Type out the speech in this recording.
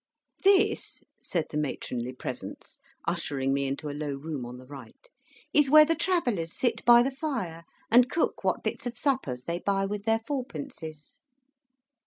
"This," said the matronly presence, ushering me into a low room on the right, "is where the Travellers sit by the fire, and cook what bits of suppers they buy with their fourpences."